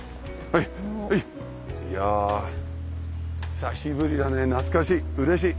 久しぶりだね懐かしいうれしい。